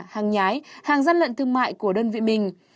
hàng nhái hàng gian lận thương mại của đơn vị mình